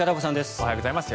おはようございます。